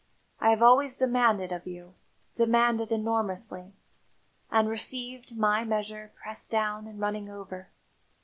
I have always demanded of you, demanded enormously, and received my measure pressed down and running over.